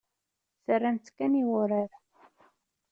Terram-tt kan i wurar.